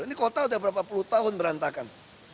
ini kota sudah berapa puluh tahun berantakan